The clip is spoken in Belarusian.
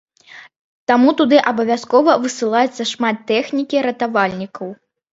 Таму туды абавязкова высылаецца шмат тэхнікі ратавальнікаў.